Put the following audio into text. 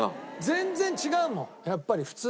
全然違うもんやっぱり普通の人と。